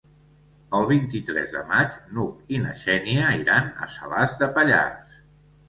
El vint-i-tres de maig n'Hug i na Xènia iran a Salàs de Pallars.